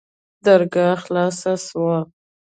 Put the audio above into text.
درګاه خلاصه سوه.